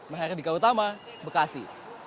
meherdika utama bekasi